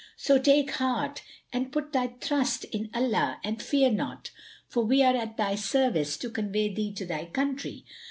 So take heart and put thy trust in Allah and fear not; for we are at thy service, to convey thee to thy country."